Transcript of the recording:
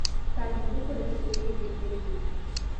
তার মনে হল, ছেলেটি বেশ রসিক।